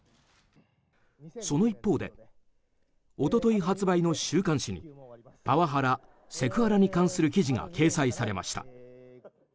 その一方で一昨日発売の週刊誌にパワハラ・セクハラに関する記事が掲載されました。